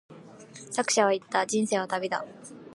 作者は言った、人生は旅だ。